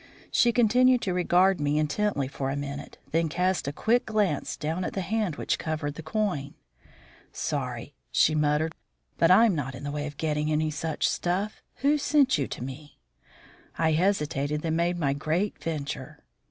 She continued to regard me intently for a minute; then cast a quick glance down at the hand which covered the coin. "Sorry," she muttered, with a reluctant lift of that member; "but I'm not in the way of getting any such stuff. Who sent you to me?" I hesitated, then made my great venture.